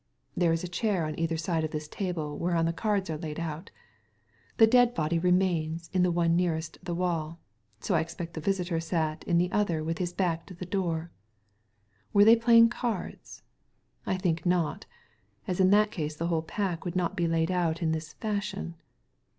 There is a chair on either side of this table whereon the cards are laid out The dead body remains in the one nearest the wall ; so I expect the visitor sat in the other with his back to the door. Were they playing cards ? I think not, as in that case the whole pack would not be laid out in this fashion.